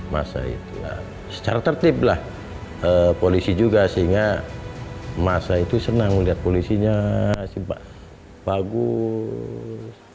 masa itu secara tertib lah polisi juga sehingga masa itu senang melihat polisinya bagus